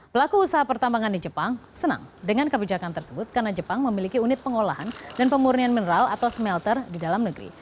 pelaku usaha pertambangan di jepang senang dengan kebijakan tersebut karena jepang memiliki unit pengolahan dan pemurnian mineral atau smelter di dalam negeri